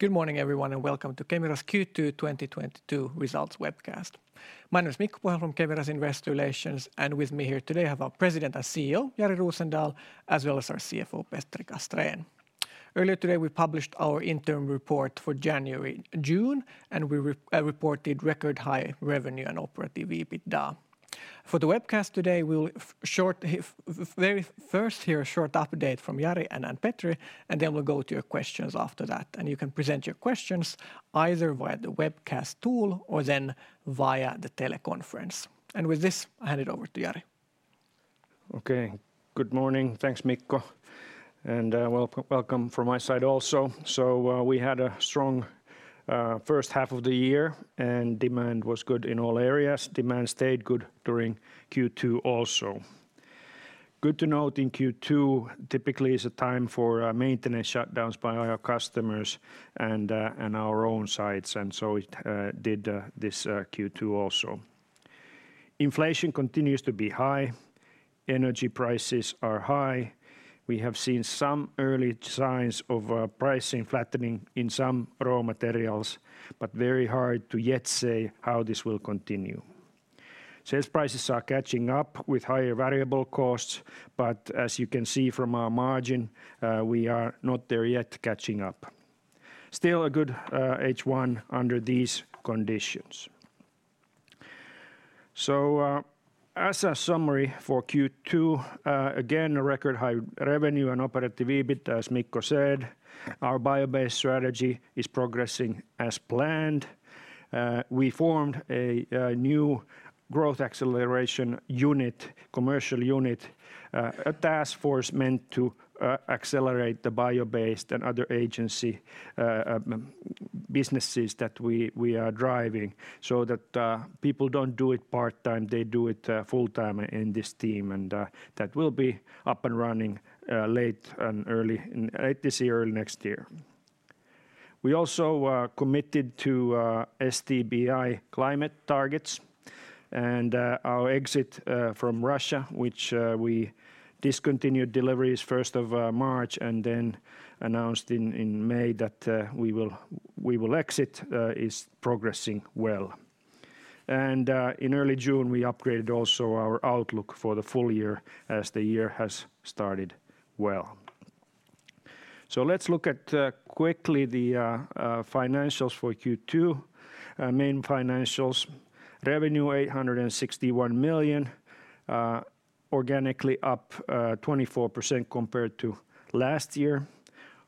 Good morning everyone and welcome to Kemira's Q2 2022 results webcast. My name is Mikko Pohjala from Kemira's Investor Relations, and with me here today I have our President and CEO, Jari Rosendal, as well as our CFO, Petri Castrén. Earlier today, we published our interim report for January, June, and we reported record high revenue and operative EBITDA. For the webcast today, we will very first hear a short update from Jari and then Petri, and then we'll go to your questions after that. You can present your questions either via the webcast tool or then via the teleconference. With this, I'll hand it over to Jari. Okay. Good morning. Thanks, Mikko. Welcome from my side also. We had a strong first half of the year, and demand was good in all areas. Demand stayed good during Q2 also. Good to note in Q2, typically is a time for maintenance shutdowns by our customers and our own sites, and so it did this Q2 also. Inflation continues to be high. Energy prices are high. We have seen some early signs of pricing flattening in some raw materials, but very hard to yet say how this will continue. Sales prices are catching up with higher variable costs, but as you can see from our margin, we are not there yet catching up. Still a good H1 under these conditions. As a summary for Q2, again, a record high revenue and operative EBIT, as Mikko said. Our bio-based strategy is progressing as planned. We formed a new growth acceleration unit, commercial unit, a task force meant to accelerate the bio-based and other adjacent businesses that we are driving so that people don't do it part-time, they do it full-time in this team, and that will be up and running late this year or next year. We also committed to SBTi climate targets and our exit from Russia, which we discontinued deliveries first of March and then announced in May that we will exit, is progressing well. In early June, we upgraded also our outlook for the full year as the year has started well. Let's look at quickly the financials for Q2, main financials. Revenue 861 million organically up 24% compared to last year.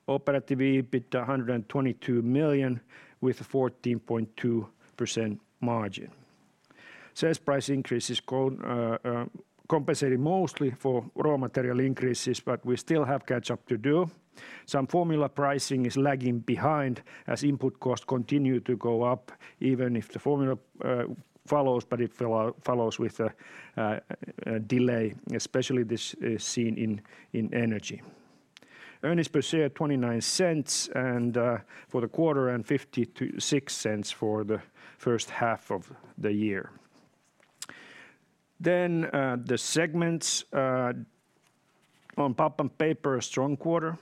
Operative EBIT 122 million with a 14.2% margin. Sales price increase is compensating mostly for raw material increases, but we still have catch-up to do. Some formula pricing is lagging behind as input costs continue to go up, even if the formula follows, but it follows with a delay, especially this is seen in energy. Earnings per share 0.29 for the quarter and 0.56 for the first half of the year. The segments on pulp and paper, a strong quarter,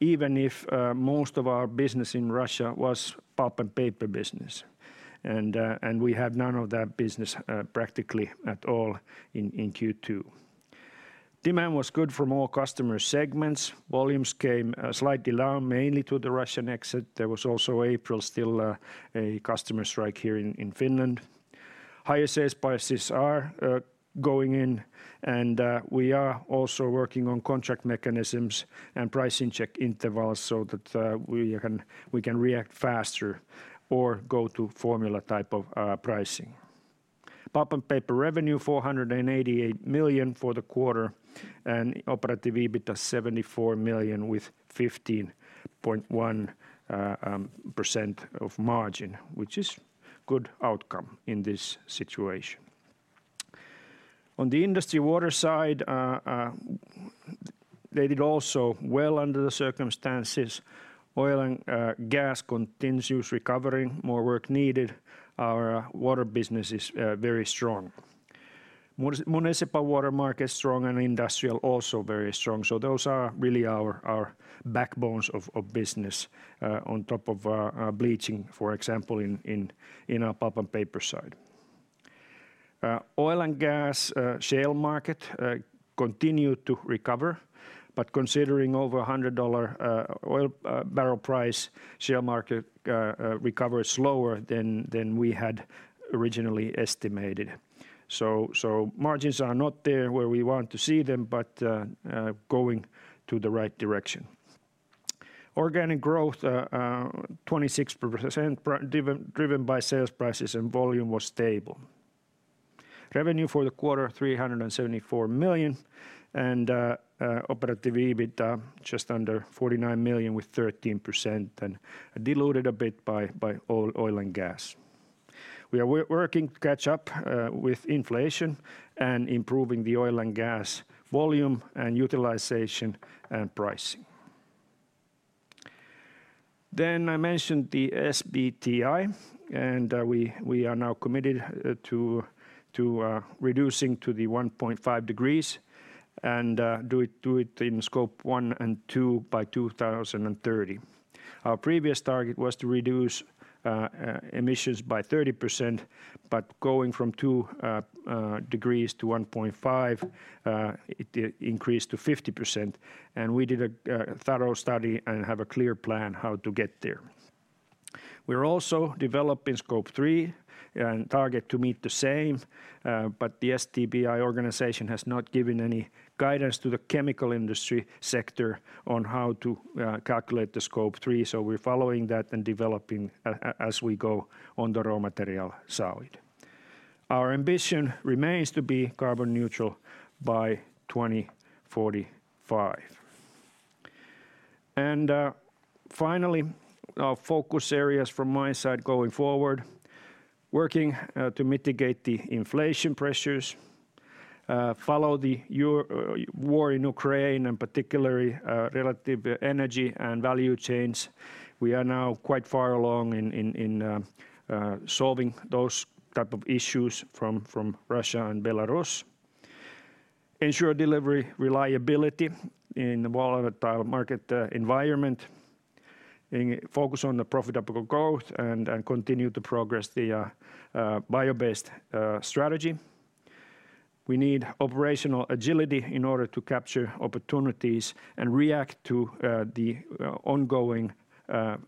even if most of our business in Russia was pulp and paper business, and we have none of that business practically at all in Q2. Demand was good for more customer segments. Volumes came slightly down mainly to the Russian exit. There was also April still a customer strike here in Finland. Higher sales prices are going in and we are also working on contract mechanisms and pricing check intervals so that we can react faster or go to formula type of pricing. Pulp and paper revenue 488 million for the quarter and operative EBIT 74 million with 15.1% margin, which is good outcome in this situation. On the Industry & Water side, they did also well under the circumstances. Oil and gas continuous recovery, more work needed. Our water business is very strong. Municipal water market is strong and industrial also very strong. Those are really our backbones of business on top of bleaching, for example, in our pulp and paper side. Oil and gas shale market continue to recover, but considering over $100 oil barrel price, shale market recover slower than we had originally estimated. Margins are not there where we want to see them, but going to the right direction. Organic growth 26% driven by sales prices and volume was stable. Revenue for the quarter 374 million and operative EBIT just under 49 million with 13% and diluted a bit by oil and gas. We are working to catch up with inflation and improving the oil and gas volume and utilization and pricing. I mentioned the SBTi, and we are now committed to reducing to the 1.5 degrees and do it in Scope one and two by 2030. Our previous target was to reduce emissions by 30%, but going from two degrees to 1.5, it did increase to 50%, and we did a thorough study and have a clear plan how to get there. We're also developing Scope three and target to meet the same, but the SBTi organization has not given any guidance to the chemical industry sector on how to calculate the Scope three, so we're following that and developing as we go on the raw material side. Our ambition remains to be carbon neutral by 2045. Finally, our focus areas from my side going forward, working to mitigate the inflation pressures following the war in Ukraine and particularly related energy and value chains. We are now quite far along in solving those type of issues from Russia and Belarus. Ensure delivery reliability in the volatile market environment. Focus on the profitable growth and continue to progress the bio-based strategy. We need operational agility in order to capture opportunities and react to the ongoing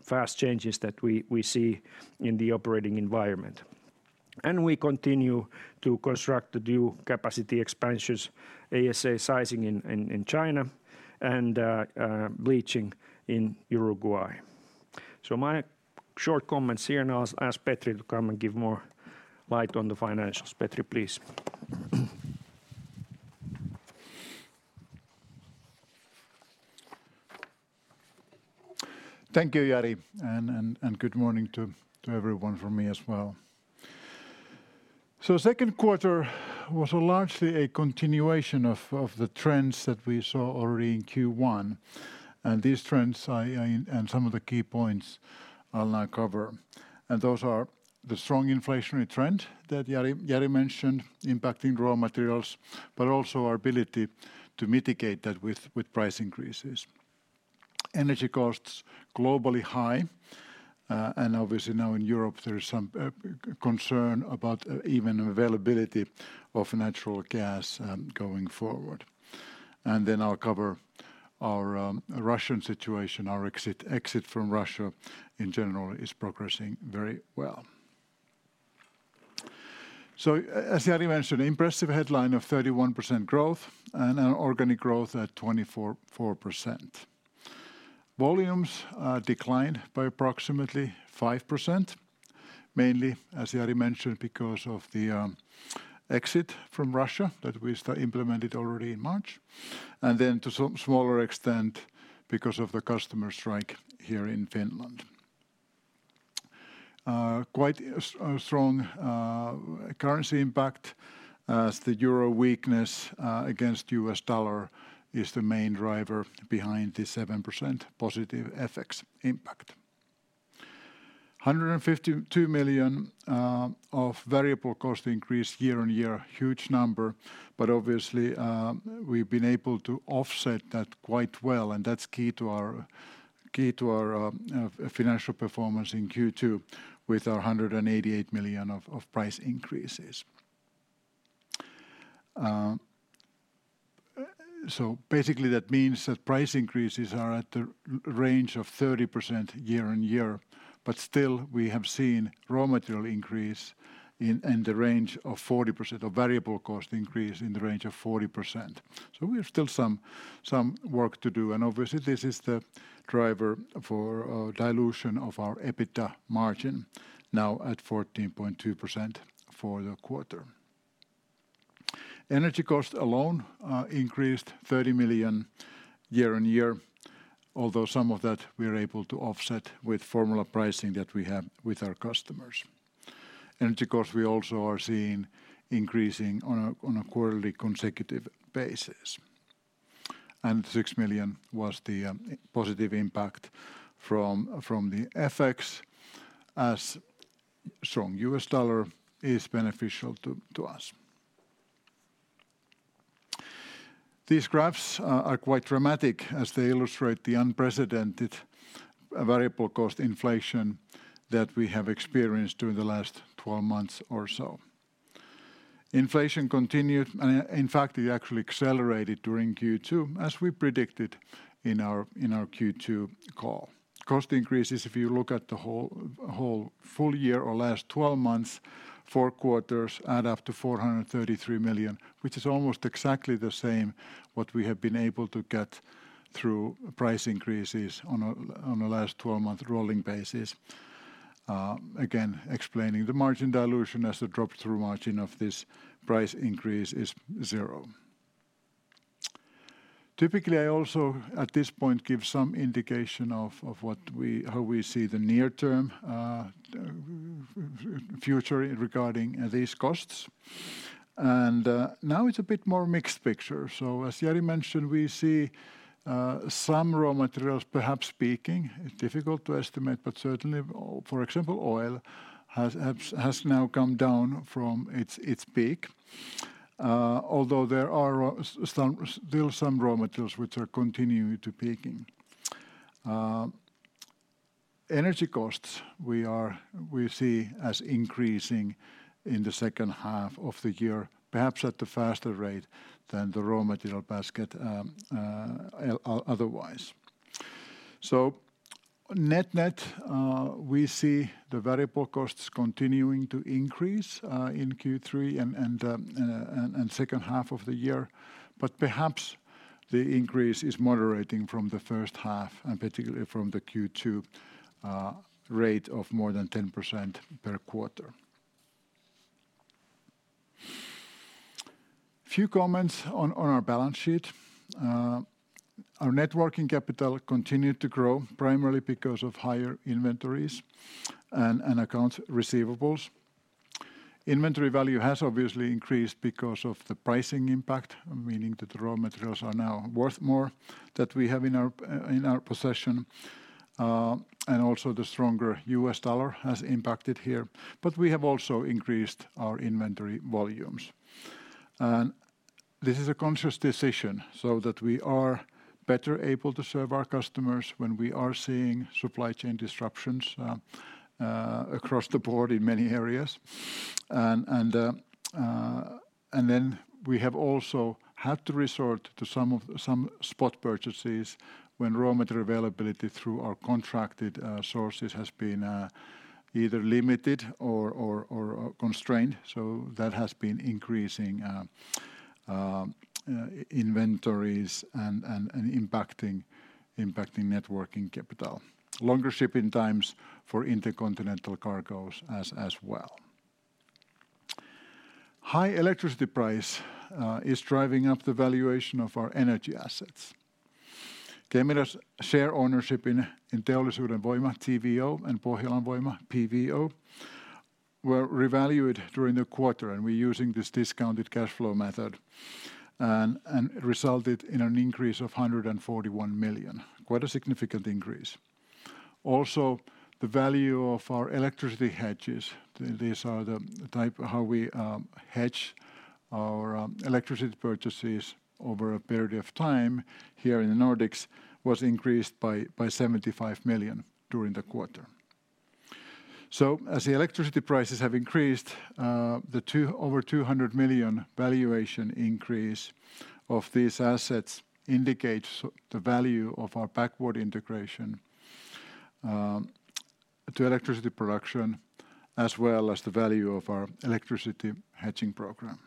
fast changes that we see in the operating environment. We continue to construct the new capacity expansions, ASA sizing in China and bleaching in Uruguay. My short comments here and I'll ask Petri to come and shed more light on the financials. Petri, please. Thank you, Jari, and good morning to everyone from me as well. Second quarter was largely a continuation of the trends that we saw already in Q1, and these trends and some of the key points I'll now cover. Those are the strong inflationary trend that Jari mentioned impacting raw materials, but also our ability to mitigate that with price increases. Energy costs globally high, and obviously now in Europe there is some concern about even availability of natural gas going forward. Then I'll cover our Russian situation. Our exit from Russia in general is progressing very well. As Jari mentioned, impressive headline of 31% growth and an organic growth at 24.4%. Volumes declined by approximately 5%, mainly, as Jari mentioned, because of the exit from Russia that we implemented already in March, and then to some smaller extent because of the customer strike here in Finland. Quite strong currency impact as the Euro weakness against US dollar is the main driver behind the 7% positive FX impact. 152 million of variable cost increase year-over-year, huge number, but obviously, we've been able to offset that quite well, and that's key to our financial performance in Q2 with our 188 million of price increases. Basically that means that price increases are in the range of 30% year-on-year, but still we have seen raw material increase in the range of 40%, or variable cost increase in the range of 40%. We have still some work to do, obviously this is the driver for a dilution of our EBITDA margin, now at 14.2% for the quarter. Energy cost alone increased 30 million year-on-year, although some of that we are able to offset with formula pricing that we have with our customers. Energy cost we also are seeing increasing on a quarterly consecutive basis. Six million was the positive impact from the FX as strong US dollar is beneficial to us. These graphs are quite dramatic as they illustrate the unprecedented variable cost inflation that we have experienced during the last 12 months or so. Inflation continued and in fact, it actually accelerated during Q2, as we predicted in our Q2 call. Cost increases, if you look at the whole full year or last 12 months, four quarters add up to 433 million, which is almost exactly the same what we have been able to get through price increases on a last 12-month rolling basis, again explaining the margin dilution as the drop through margin of this price increase is zero. Typically, I also, at this point, give some indication of how we see the near term future regarding these costs. Now it's a bit more mixed picture. As Jari mentioned, we see some raw materials perhaps peaking. It's difficult to estimate, but certainly for example, oil has now come down from its peak. Although there are still some raw materials which are continuing to peak. Energy costs we see as increasing in the second half of the year, perhaps at a faster rate than the raw material basket, otherwise. Net-net, we see the variable costs continuing to increase in Q3 and the second half of the year. Perhaps the increase is moderating from the first half, and particularly from the Q2 rate of more than 10% per quarter. Few comments on our balance sheet. Our net working capital continued to grow primarily because of higher inventories and accounts receivables. Inventory value has obviously increased because of the pricing impact, meaning that the raw materials are now worth more than we have in our possession, and also the stronger US dollar has impacted here. We have also increased our inventory volumes. This is a conscious decision so that we are better able to serve our customers when we are seeing supply chain disruptions across the board in many areas. We have also had to resort to some spot purchases when raw material availability through our contracted sources has been either limited or constrained. That has been increasing inventories and impacting net working capital. Longer shipping times for intercontinental cargos as well. High electricity price is driving up the valuation of our energy assets. Kemira's share ownership in Teollisuuden Voima, TVO, and Pohjolan Voima, PVO, were revalued during the quarter, and we're using this discounted cash flow method and resulted in an increase of 141 million. Quite a significant increase. Also, the value of our electricity hedges, these are the type how we hedge our electricity purchases over a period of time here in the Nordics, was increased by 75 million during the quarter. As the electricity prices have increased, over 200 million valuation increase of these assets indicates the value of our backward integration to electricity production, as well as the value of our electricity hedging program.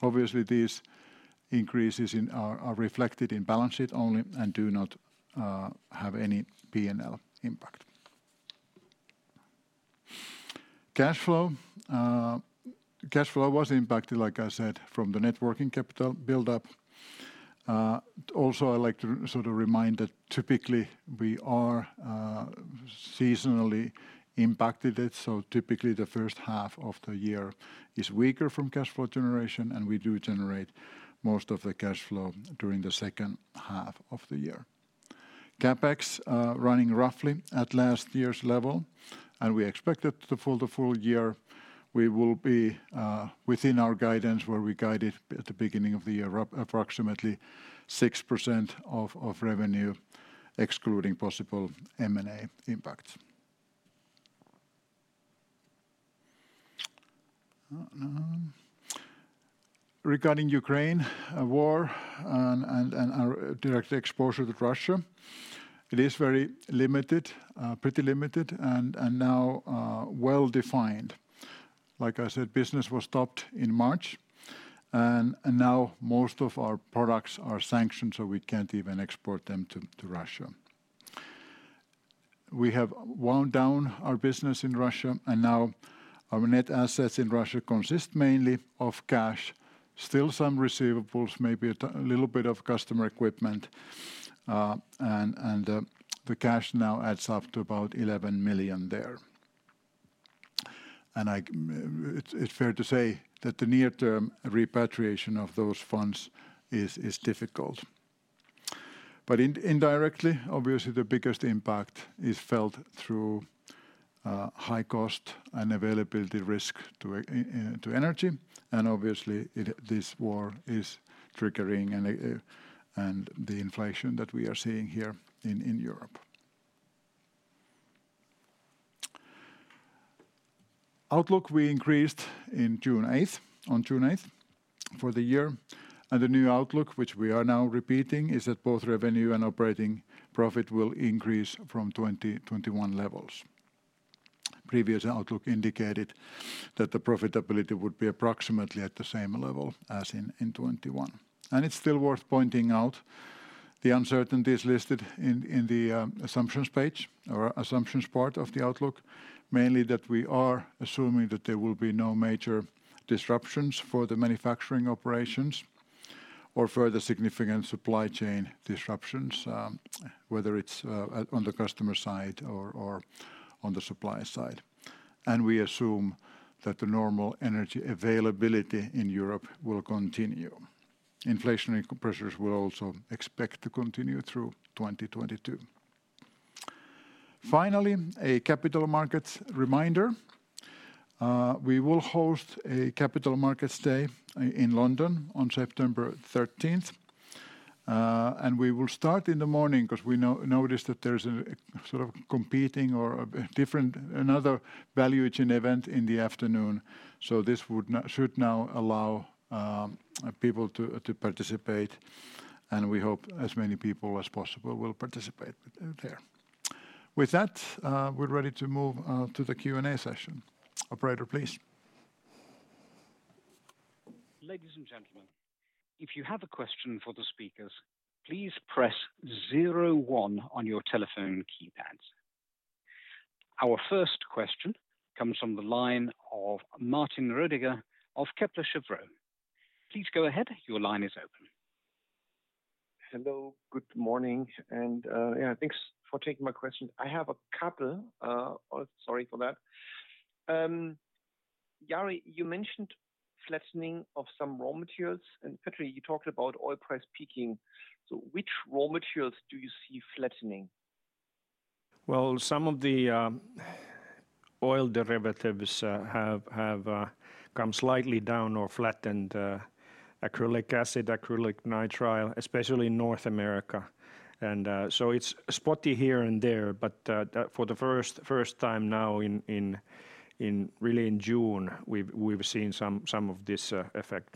Obviously, these increases are reflected in balance sheet only and do not have any P&L impact. Cash flow. Cash flow was impacted, like I said, from the net working capital buildup. Also, I'd like to sort of remind that typically we are seasonally impacted it, so typically the first half of the year is weaker from cash flow generation, and we do generate most of the cash flow during the second half of the year. CapEx running roughly at last year's level, and we expect it the full year, we will be within our guidance, where we guided at the beginning of the year, approximately 6% of revenue, excluding possible M&A impact. Regarding Ukraine war and our direct exposure to Russia, it is very limited, pretty limited and now well-defined. Like I said, business was stopped in March and now most of our products are sanctioned, so we can't even export them to Russia. We have wound down our business in Russia, and now our net assets in Russia consist mainly of cash. Still some receivables, maybe a little bit of customer equipment, and the cash now adds up to about 11 million there. It's fair to say that the near-term repatriation of those funds is difficult. Indirectly, obviously, the biggest impact is felt through high cost and availability risk to energy. Obviously this war is triggering and the inflation that we are seeing here in Europe. Outlook, we increased on June 8th for the year, and the new outlook, which we are now repeating, is that both revenue and operating profit will increase from 2021 levels. Previous outlook indicated that the profitability would be approximately at the same level as in 2021. It's still worth pointing out the uncertainties listed in the assumptions page or assumptions part of the outlook, mainly that we are assuming that there will be no major disruptions for the manufacturing operations or further significant supply chain disruptions, whether it's on the customer side or on the supply side. We assume that the normal energy availability in Europe will continue. Inflationary pressures are expected to continue through 2022. Finally, a capital markets reminder. We will host a capital markets day in London on September 13. We will start in the morning 'cause we noticed that there's a sort of competing or another valuation event in the afternoon. This should now allow people to participate, and we hope as many people as possible will participate there. With that, we're ready to move to the Q&A session. Operator, please. Ladies and gentlemen, if you have a question for the speakers, please press zero one on your telephone keypads. Our first question comes from the line of Martin Roediger of Kepler Cheuvreux. Please go ahead. Your line is open. Hello. Good morning. Yeah, thanks for taking my question. I have a couple, sorry for that. Jari, you mentioned flattening of some raw materials, and Petri, you talked about oil price peaking. Which raw materials do you see flattening? Well, some of the oil derivatives have come slightly down or flattened, acrylic acid, acrylonitrile, especially in North America. So it's spotty here and there, but for the first time now, really in June, we've seen some of this effect.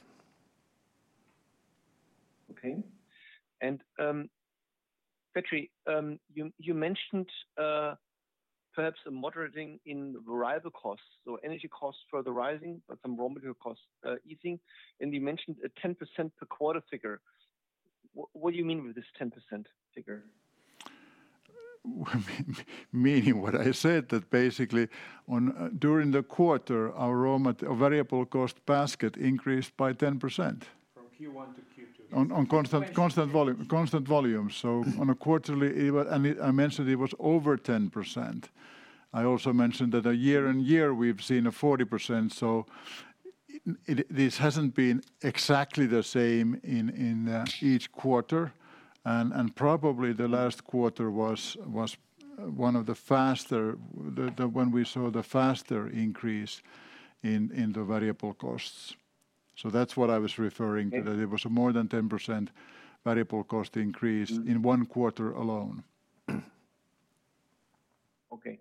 Okay. Petri, you mentioned perhaps a moderating in variable costs, so energy costs further rising but some raw material costs easing, and you mentioned a 10% per quarter figure. What do you mean with this 10% figure? Meaning what I said, that basically during the quarter, our variable cost basket increased by 10%. From Q1 to Q2. On constant volume. I mentioned it was over 10%. I also mentioned that year-on-year we've seen a 40%. This hasn't been exactly the same in each quarter. Probably the last quarter was one of the faster, the one we saw the faster increase in the variable costs. That's what I was referring to, that it was more than 10% variable cost increase in one quarter alone. Okay,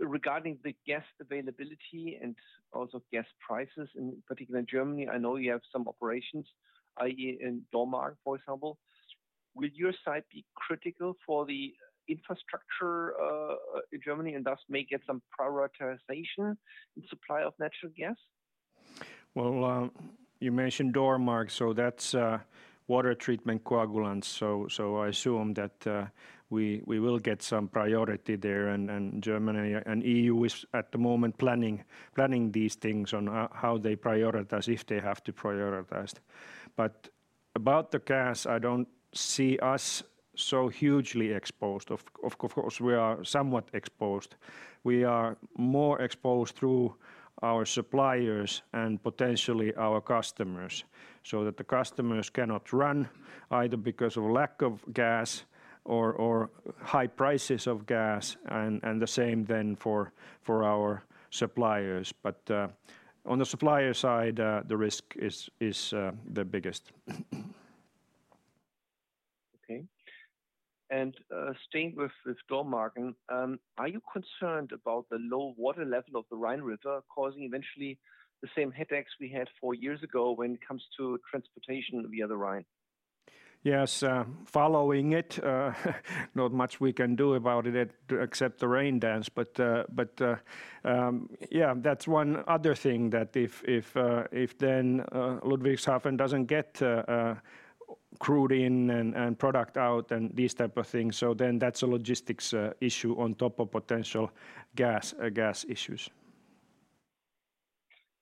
regarding the gas availability and also gas prices, in particular in Germany, I know you have some operations, i.e., in Dormagen, for example. Will your site be critical for the infrastructure, in Germany and thus may get some prioritization in supply of natural gas? Well, you mentioned Dormagen, so that's water treatment coagulants. I assume that we will get some priority there. Germany and EU is at the moment planning these things on how they prioritize if they have to prioritize. About the gas, I don't see us so hugely exposed. Of course, we are somewhat exposed. We are more exposed through our suppliers and potentially our customers, so that the customers cannot run either because of lack of gas or high prices of gas, and the same then for our suppliers. On the supplier side, the risk is the biggest. Okay. Staying with Dormagen, are you concerned about the low water level of the Rhine River causing eventually the same headaches we had four years ago when it comes to transportation via the Rhine? Yes, following it, not much we can do about it except the rain dance. Yeah, that's one other thing that if Ludwigshafen doesn't get crude in and product out and these type of things, so then that's a logistics issue on top of potential gas issues.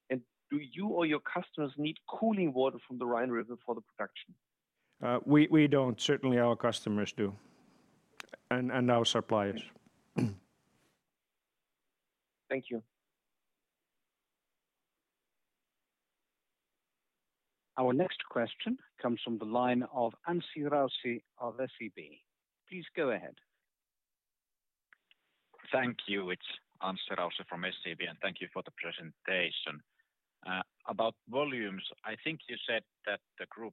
Do you or your customers need cooling water from the Rhine River for the production? We don't. Certainly our customers do, and our suppliers. Thank you. Our next question comes from the line of Anssi Kiviniemi of SEB. Please go ahead. Thank you. It's Anssi Kiviniemi from SEB, and thank you for the presentation. About volumes, I think you said that the group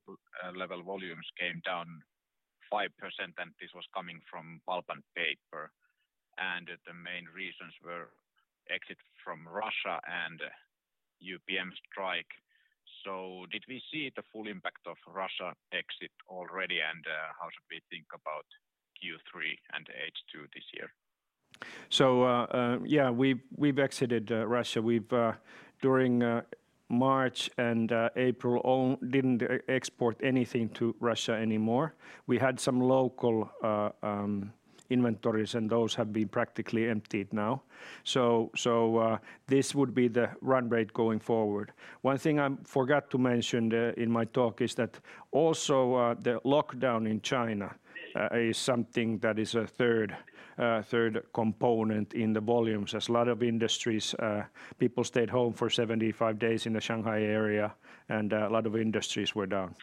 level volumes came down 5%, and this was coming from pulp and paper, and the main reasons were exit from Russia and UPM strike. Did we see the full impact of Russia exit already? And, how should we think about Q3 and H2 this year? We've exited Russia. We, during March and April, didn't export anything to Russia anymore. We had some local inventories and those have been practically emptied now. This would be the run rate going forward. One thing I forgot to mention in my talk is that also the lockdown in China is something that is a third component in the volumes. There's a lot of industries. People stayed home for 75 days in the Shanghai area, and a lot of industries were down.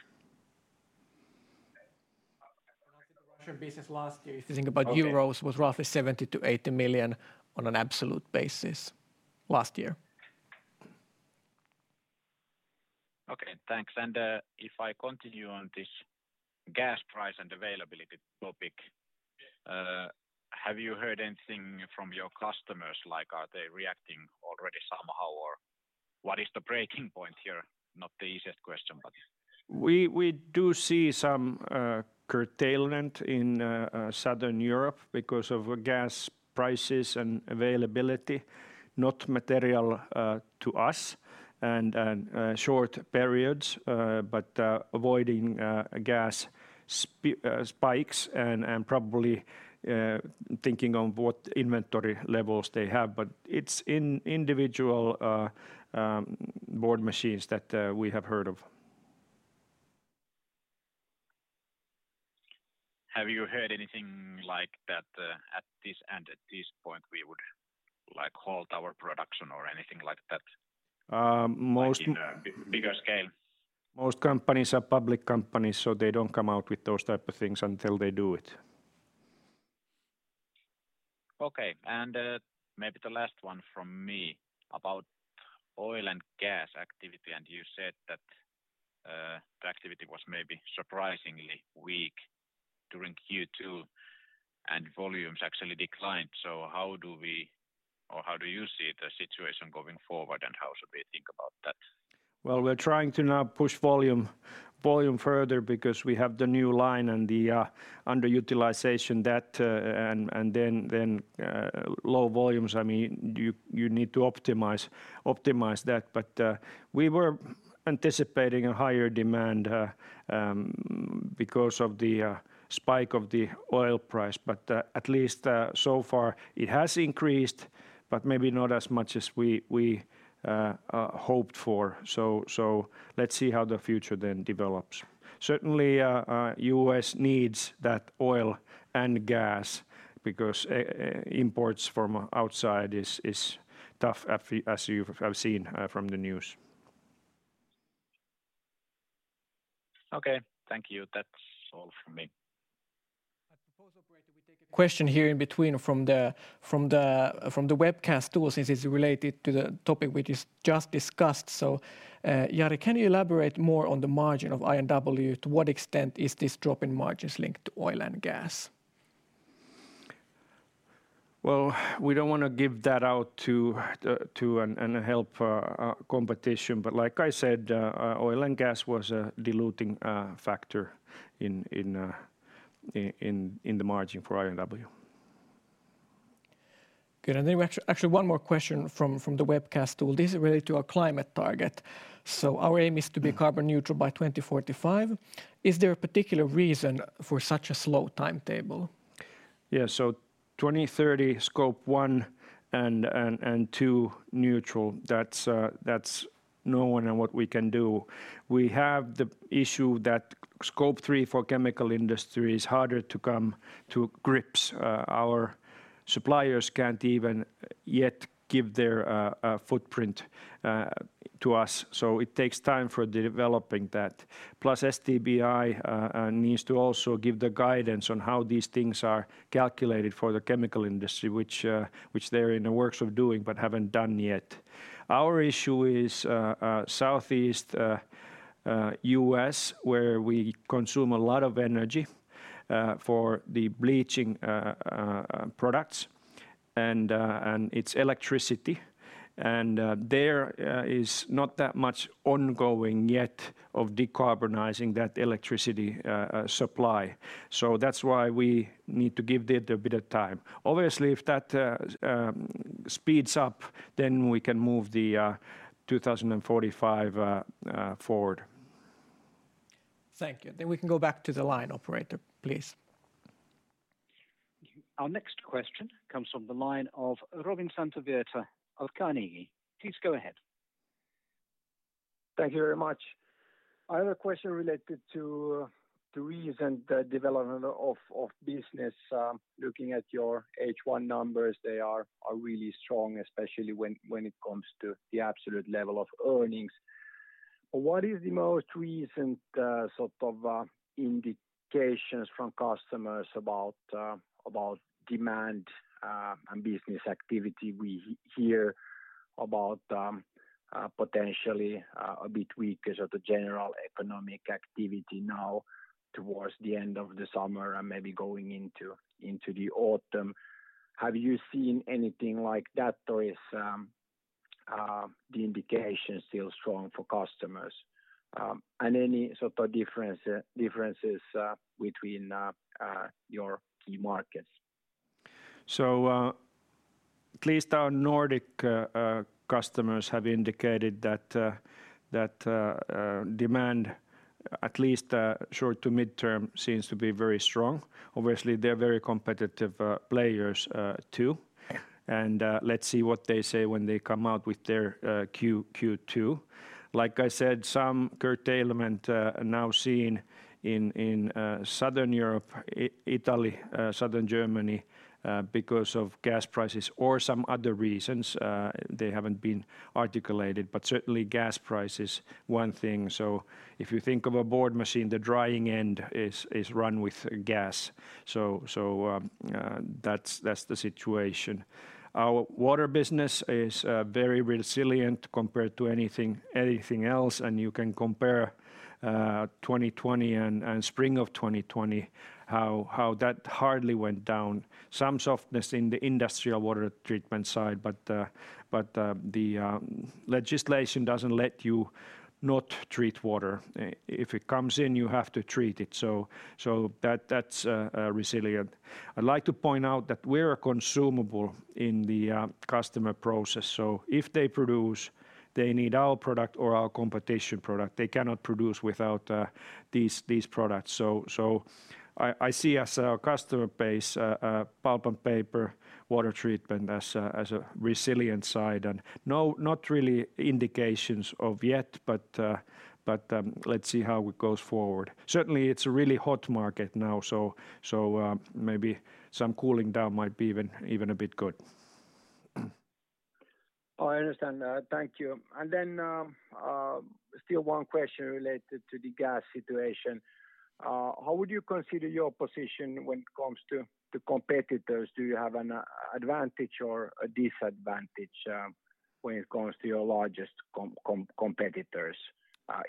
Russian business last year, if you think about euros, was roughly 70 million-80 million on an absolute basis last year. Okay. Thanks. If I continue on this gas price and availability topic, have you heard anything from your customers, like are they reacting already somehow or what is the breaking point here? Not the easiest question, but. We do see some curtailment in Southern Europe because of gas prices and availability, not material to us and short periods, but avoiding gas spikes and probably thinking on what inventory levels they have. It's individual board machines that we have heard of. Have you heard anything like that, at this end, at this point we would like to halt our production or anything like that? Um, most- Like in a bigger scale. Most companies are public companies, so they don't come out with those type of things until they do it. Okay. Maybe the last one from me about oil and gas activity. You said that the activity was maybe surprisingly weak during Q2 and volumes actually declined. How do we or how do you see the situation going forward and how should we think about that? Well, we're trying to now push volume further because we have the new line and the underutilization and then low volumes. I mean, you need to optimize that. We were anticipating a higher demand because of the spike of the oil price. At least, so far it has increased, but maybe not as much as we hoped for. Let's see how the future then develops. Certainly, U.S. needs that oil and gas because imports from outside is tough as you've seen from the news. Okay. Thank you. That's all from me. Question here in between from the webcast tool since it's related to the topic we just discussed. Jari, can you elaborate more on the margin of I&W? To what extent is this drop in margins linked to oil and gas? Well, we don't wanna give that out and help competition. Like I said, oil and gas was a diluting factor in the margin for I&W. Good. Actually one more question from the webcast tool. This is related to our climate target. Our aim is to be carbon neutral by 2045. Is there a particular reason for such a slow timetable? 2030 Scope one and two neutral, that's no mean feat what we can do. We have the issue that Scope three for chemical industry is harder to come to grips. Our suppliers can't even yet give their footprint to us, so it takes time for developing that. Plus SBTi needs to also give the guidance on how these things are calculated for the chemical industry which they're in the works of doing but haven't done yet. Our issue is southeast U.S. where we consume a lot of energy for the bleaching products and it's electricity and there is not that much ongoing yet of decarbonizing that electricity supply. That's why we need to give it a bit of time. Obviously, if that speeds up then we can move the 2045 forward. Thank you. We can go back to the line operator please. Our next question comes from the line of Robin Santavirta of Carnegie. Please go ahead. Thank you very much. I have a question related to the recent development of business. Looking at your H1 numbers they are really strong especially when it comes to the absolute level of earnings. What is the most recent sort of indications from customers about demand and business activity? We hear about potentially a bit weaker sort of general economic activity now towards the end of the summer and maybe going into the autumn. Have you seen anything like that or is the indication still strong for customers and any sort of differences between your key markets. At least our Nordic customers have indicated that demand at least short- to midterm seems to be very strong. Obviously, they're very competitive players too. Let's see what they say when they come out with their Q2. Like I said, some curtailment now seen in Southern Europe, Italy, Southern Germany, because of gas prices or some other reasons. They haven't been articulated, but certainly gas price is one thing. If you think of a board machine, the drying end is run with gas. That's the situation. Our water business is very resilient compared to anything else. You can compare 2020 and spring of 2020 how that hardly went down. Some softness in the industrial water treatment side, but the legislation doesn't let you not treat water. If it comes in, you have to treat it. That's resilient. I'd like to point out that we're consumable in the customer process. If they produce, they need our product or our competitor's product. They cannot produce without these products. I see our customer base, pulp and paper, water treatment as a resilient side. Not really indications of yet, but let's see how it goes forward. Certainly, it's a really hot market now, maybe some cooling down might be a bit good. I understand. Thank you. Still one question related to the gas situation. How would you consider your position when it comes to the competitors? Do you have an advantage or a disadvantage, when it comes to your largest competitors,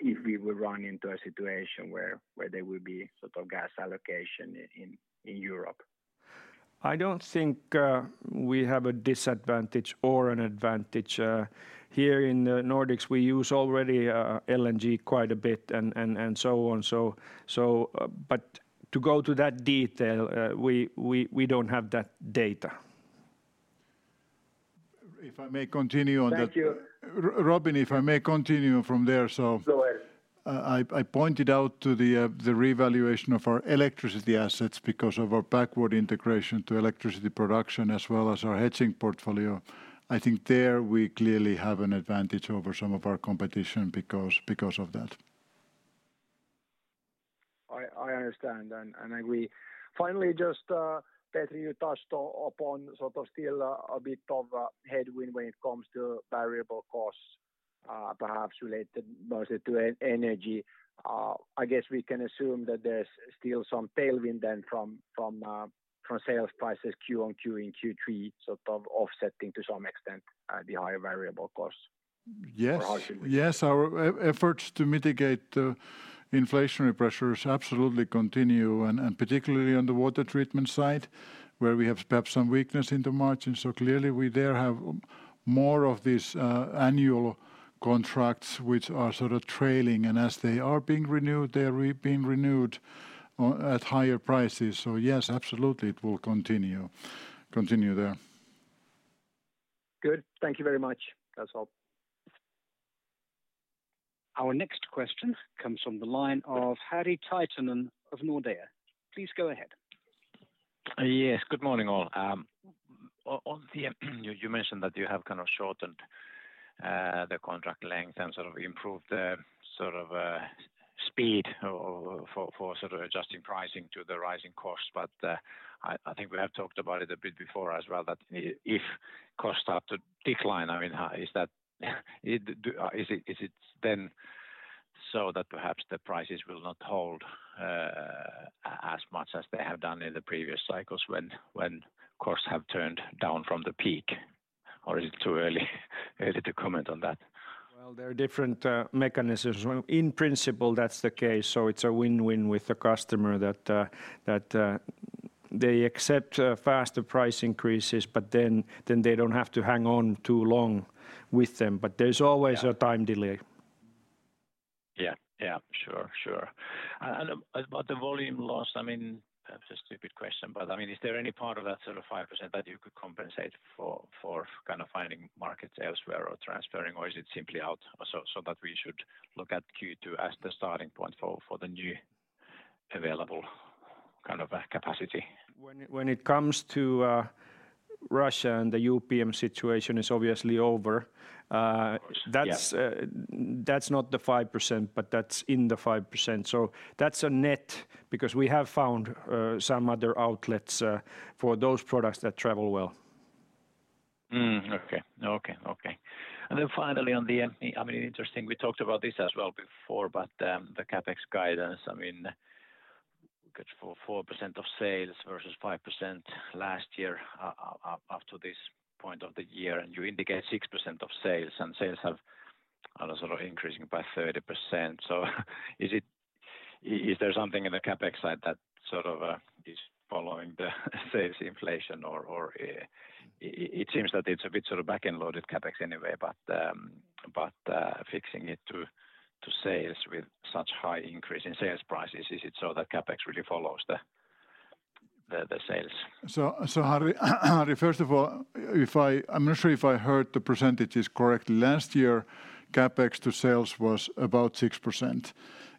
if we will run into a situation where there will be sort of gas allocation in Europe? I don't think we have a disadvantage or an advantage. Here in the Nordics, we use already LNG quite a bit and so on. To go to that detail, we don't have that data. If I may continue on that. Thank you. Robin, if I may continue from there. Go ahead. I pointed out to the revaluation of our electricity assets because of our backward integration to electricity production as well as our hedging portfolio. I think there we clearly have an advantage over some of our competition because of that. I understand and agree. Finally, just, Petri, you touched upon sort of still a bit of a headwind when it comes to variable costs, perhaps related mostly to energy. I guess we can assume that there's still some tailwind then from sales prices Q on Q in Q3 sort of offsetting to some extent, the higher variable costs. Yes. Or how should we- Yes. Our efforts to mitigate the inflationary pressures absolutely continue, and particularly on the water treatment side, where we have perhaps some weakness in the margins. Clearly there we have more of these annual contracts which are sort of trailing and as they are being renewed, they're being renewed at higher prices. Yes, absolutely it will continue there. Good. Thank you very much. That's all. Our next question comes from the line of Harri Taittonen of Nordea. Please go ahead. Yes. Good morning, all. On the, you mentioned that you have kind of shortened the contract length and sort of improved the sort of speed for sort of adjusting pricing to the rising costs. I think we have talked about it a bit before as well, that if costs start to decline, I mean, is it then so that perhaps the prices will not hold as much as they have done in the previous cycles when costs have turned down from the peak? Or is it too early to comment on that? Well, there are different mechanisms. Well, in principle, that's the case. It's a win-win with the customer that they accept faster price increases, but then they don't have to hang on too long with them. There's always. Yeah a time delay. About the volume loss, I mean, perhaps a stupid question, but I mean, is there any part of that sort of 5% that you could compensate for, kind of finding markets elsewhere or transferring? Or is it simply out, so that we should look at Q2 as the starting point for the new available kind of capacity? When it comes to Russia and the UPM situation is obviously over. Of course. Yeah. That's not the 5%, but that's in the 5%. That's a net because we have found some other outlets for those products that travel well. Okay. Then finally on the, I mean, interesting, we talked about this as well before, but the CapEx guidance, I mean, look at 4% of sales versus 5% last year up to this point of the year, and you indicate 6% of sales and sales are sort of increasing by 30%. Is it, is there something in the CapEx side that sort of is following the sales inflation or. It seems that it's a bit sort of back-end loaded CapEx anyway, but fixing it to sales with such high increase in sales prices, is it so that CapEx really follows the sales? Harri, first of all, if I'm not sure if I heard the percentages correctly. Last year, CapEx to sales was about 6%.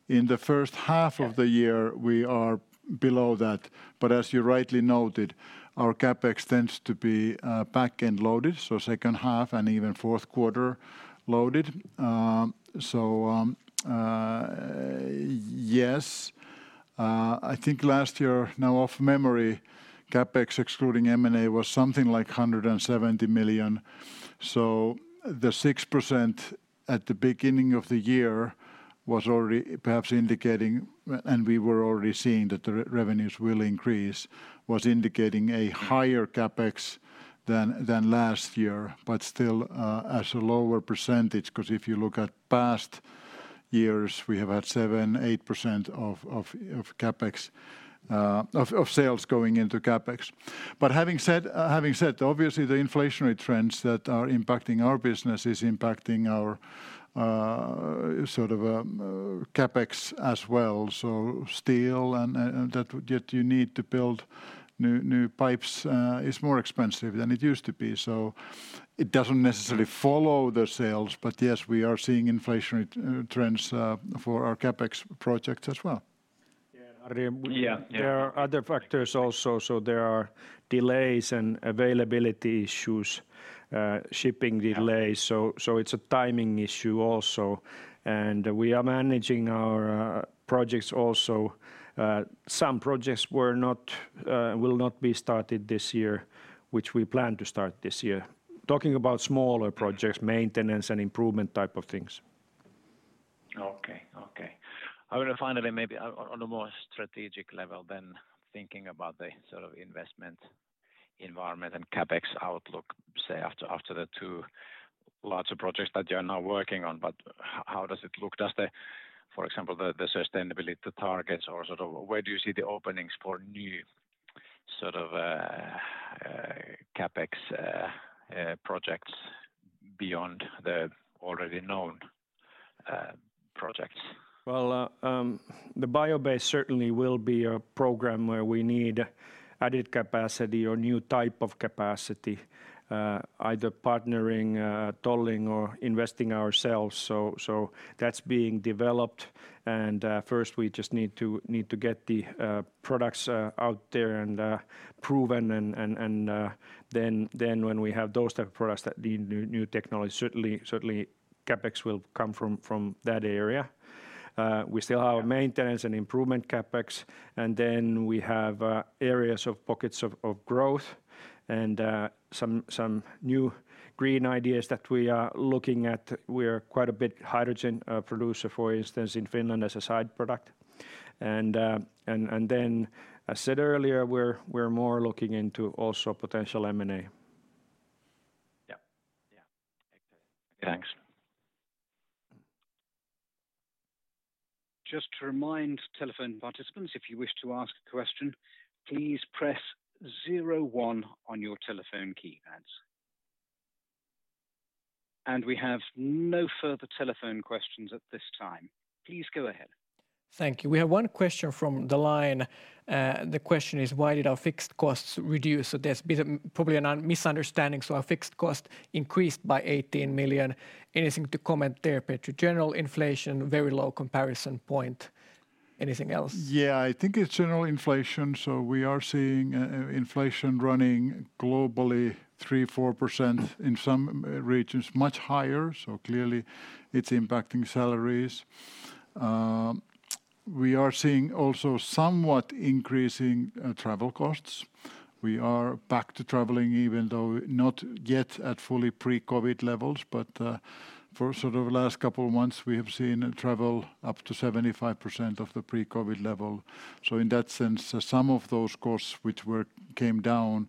In the first half of the year Yeah We are below that. As you rightly noted, our CapEx tends to be back-end loaded, so second half and even fourth quarter loaded. Yes. I think last year, now off memory, CapEx excluding M&A was something like 170 million. The 6% at the beginning of the year was already perhaps indicating, and we were already seeing that the revenues will increase, was indicating a higher CapEx than last year. Still, as a lower percentage, 'cause if you look at past years, we have had 7, 8% of sales going into CapEx. Having said, obviously the inflationary trends that are impacting our business is impacting our CapEx as well. Steel and that you need to build new pipes is more expensive than it used to be. It doesn't necessarily follow the sales. Yes, we are seeing inflationary trends for our CapEx projects as well. Yeah, Harri. Yeah. Yeah there are other factors also. There are delays and availability issues, shipping delays. Yeah It's a timing issue also. We are managing our projects also. Some projects will not be started this year, which we plan to start this year. Talking about smaller projects, maintenance and improvement type of things. Okay. I wanna finally maybe on a more strategic level then thinking about the sort of investment environment and CapEx outlook, say after the two lots of projects that you're now working on. How does it look? Does the, for example, the sustainability targets or sort of where do you see the openings for new sort of CapEx projects beyond the already known projects? Well, the bio-based certainly will be a program where we need added capacity or new type of capacity, either partnering, tolling or investing ourselves. That's being developed and first we just need to get the products out there and proven and then when we have those type of products that need new technology, certainly CapEx will come from that area. We still have maintenance and improvement CapEx, and then we have areas of pockets of growth and some new green ideas that we are looking at. We are quite a bit hydrogen producer, for instance, in Finland as a side product. Then as said earlier, we're more looking into also potential M&A. Yeah. Yeah. Okay. Thanks. Just to remind telephone participants, if you wish to ask a question, please press zero one on your telephone keypads. We have no further telephone questions at this time. Please go ahead. Thank you. We have one question from the line. The question is, why did our fixed costs reduce? There's been probably a misunderstanding. Our fixed cost increased by 18 million. Anything to comment there, Petri? General inflation, very low comparison point. Anything else? Yeah. I think it's general inflation. We are seeing inflation running globally 3-4%, in some regions much higher, so clearly it's impacting salaries. We are seeing also somewhat increasing travel costs. We are back to traveling, even though not yet at fully pre-COVID levels, but for sort of last couple of months we have seen travel up to 75% of the pre-COVID level. In that sense, some of those costs which came down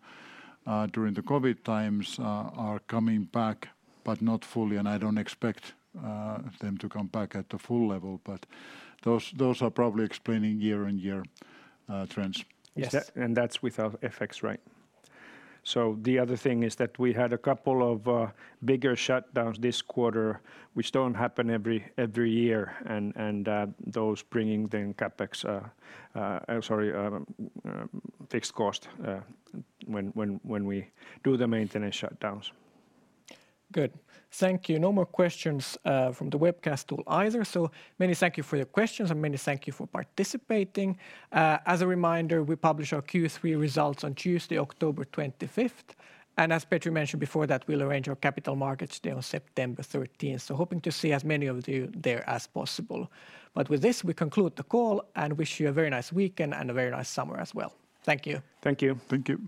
during the COVID times are coming back, but not fully, and I don't expect them to come back at the full level. Those are probably explaining year-on-year trends. Yes. That's without FX, right? The other thing is that we had a couple of bigger shutdowns this quarter, which don't happen every year, and fixed cost when we do the maintenance shutdowns. Good. Thank you. No more questions from the webcast tool either. Many thanks for your questions and many thanks for participating. As a reminder, we publish our Q3 results on Tuesday, October 25. As Petri mentioned before that, we'll arrange our capital markets day on September 13. Hoping to see as many of you there as possible. With this, we conclude the call and wish you a very nice weekend and a very nice summer as well. Thank you. Thank you. Thank you.